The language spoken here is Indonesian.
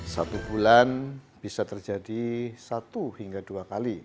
satu bulan bisa terjadi satu hingga dua kali